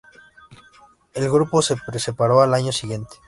El grupo se separó al año siguiente.